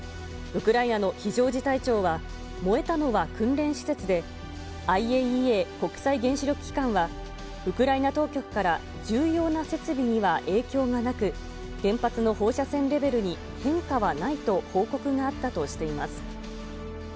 ウクライナの非常事態庁は、燃えたのは訓練施設で、ＩＡＥＡ・国際原子力機関は、ウクライナ当局から重要な設備には影響がなく、原発の放射線レベルに変化はないと報告があったとしています。